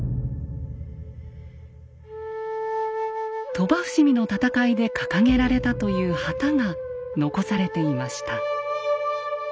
鳥羽伏見の戦いで掲げられたという旗が残されていました。